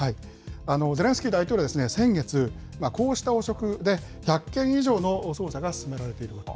ゼレンスキー大統領は先月、こうした汚職で、１００件以上の捜査が進められていると。